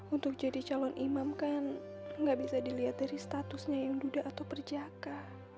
untuk jadi calon imam kan gak bisa dilihat dari statusnya yang duda atau perjaka